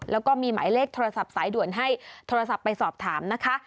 แล้วก็มีหมายเลขโทรศัพท์สายด่วนให้โทรศัพท์ไปสอบถามนะคะ